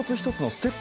ステップ？